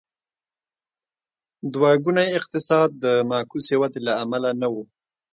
دوه ګونی اقتصاد د معکوسې ودې له امله نه و.